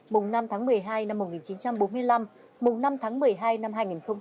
mùng năm tháng một mươi hai năm một nghìn chín trăm bốn mươi năm mùng năm tháng một mươi hai năm hai nghìn hai mươi